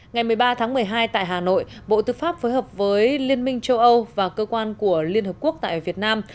ngày một mươi ba tháng một mươi hai tại hà nội bộ tư pháp phối hợp với liên minh châu âu và cơ quan của liên hợp quốc tại việt nam